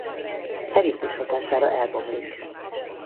Hevítés hatására elbomlik.